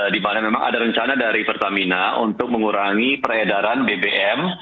di mana memang ada rencana dari pertamina untuk mengurangi peredaran bbm